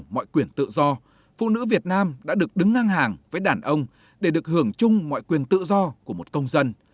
mọi quyền tự do phụ nữ việt nam đã được đứng ngang hàng với đàn ông để được hưởng chung mọi quyền tự do của một công dân